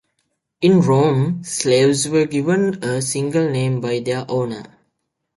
In Rome slaves were given a single name by their owner.